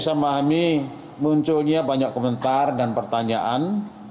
kami munculnya banyak komentar dan pertanyaan